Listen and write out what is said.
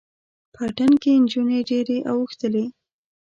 په اتڼ کې جونې ډیرې اوښتلې